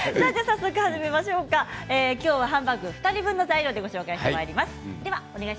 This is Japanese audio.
今日はハンバーグ２人分の材料でご紹介します。